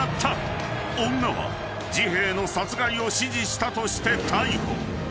［女はジヘの殺害を指示したとして逮捕］